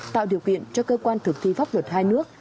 tạo điều kiện cho cơ quan thực thi pháp luật hai nước